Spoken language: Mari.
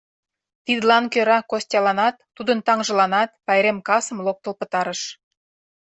Тидлан кӧра Костяланат, тудын таҥжыланат пайрем касым локтыл пытарыш.